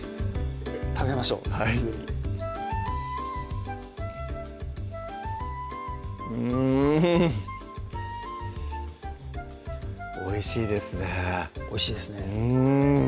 食べましょうすぐにはいうんおいしいですねおいしいですね